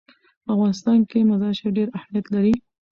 په افغانستان کې مزارشریف ډېر اهمیت لري.